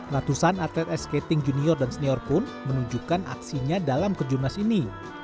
ratusan atlet ice skating junior dan senior pun menunjukkan aksinya dalam kejurnas ini